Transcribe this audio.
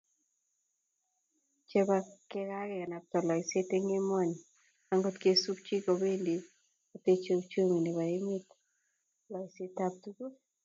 Chebo kekanapta loiseet emg emoni angot kesupchi kobendi kotechei uchumi nebo emet loiseetab tuguuk